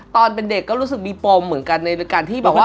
ตอนเป็นเด็กก็รู้สึกมีปมเหมือนกันในการที่แบบว่า